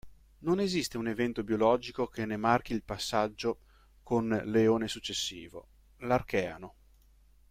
Non esiste un evento biologico che ne marchi il passaggio con l'eone successivo, l'Archeano.